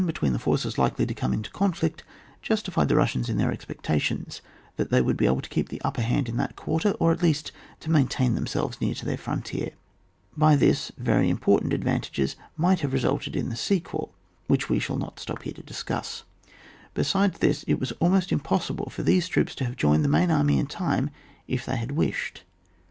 [book VI. between the forces likely to come into conflict justified the Russians in their expectations, that they would be able to keep the upper hand in that quarter, or at least to maintain themselves near to their frontier. By this, very important advantages might have resulted in the sequel, which we shall not stop here to discuss ; besides this, it was ahnost im possible for these troops to have joined the main army in time if they had wished.